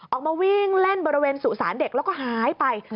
ออกมาวิ่งเล่นบริเวณสุสานเด็กแล้วก็หายไป